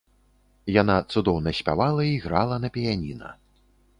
Яна цудоўна спявала і грала на піяніна.